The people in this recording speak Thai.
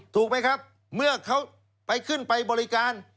ถูกไหมครับเมื่อเขาไปขึ้นไปบริการ